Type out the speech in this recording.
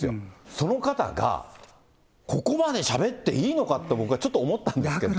その方が、ここまでしゃべっていいのかって、僕はちょっと思ったんですけど。